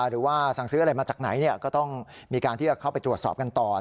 หรือว่าสั่งซื้ออะไรมาจากไหนก็ต้องมีการที่จะเข้าไปตรวจสอบกันต่อ